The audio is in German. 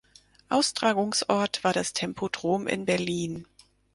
Austragungsort war das Tempodrom in Berlin.